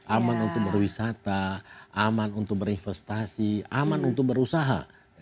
aman untuk berwisata aman untuk berinvestasi aman untuk berusaha